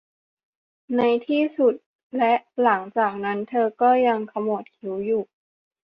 ในที่สุดและหลังจากนั้นเธอก็ยังขมวดคิ้วอยู่